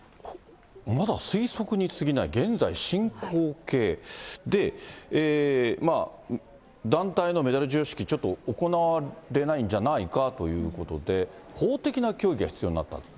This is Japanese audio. まだ推測にすぎない、現在進行形で、団体のメダル授与式、ちょっと行われないんじゃないかということで、法的な協議が必要になった。